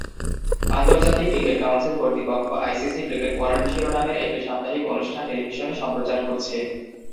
আন্তর্জাতিক cricket council কর্তৃপক্ষ ICC cricket world শিরোনামের একটি সাপ্তাহিক অনুষ্ঠান টেলিভিশনে সম্প্রচার করছে।